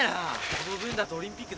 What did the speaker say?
この分だとオリンピック代表だな。